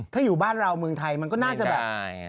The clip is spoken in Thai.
ถ้าอยู่บ้านเราเมืองไทยมันก็น่าจะแบบ